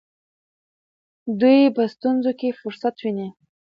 دوی په ستونزو کې فرصت ویني.